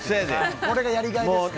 これがやりがいですから。